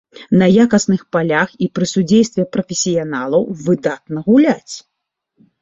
На якасных палях і пры судзействе прафесіяналаў выдатна гуляць!